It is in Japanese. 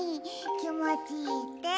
きもちいいって。